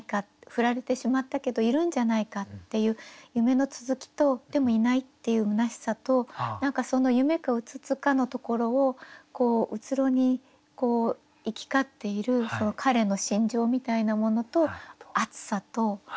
振られてしまったけどいるんじゃないかっていう夢の続きとでもいないっていうむなしさと何かその夢かうつつかのところをうつろに行き交っている彼の心情みたいなものと暑さと。